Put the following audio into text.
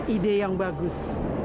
ide yang bagus